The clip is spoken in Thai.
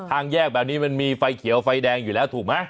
ทางแยกแบบนี้มันมีไฟเขียวไฟแดงอยู่แล้วถูกไหม